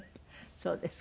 そうですか。